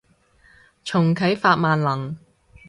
重啟法萬能